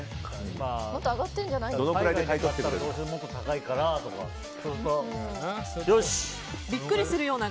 もっと上がってるんじゃないかな。